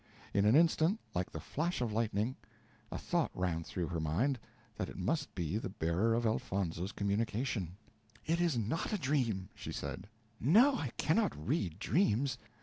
In an instant, like the flash of lightning, a thought ran through her mind that it must be the bearer of Elfonzo's communication. "It is not a dream!" she said, "no, I cannot read dreams.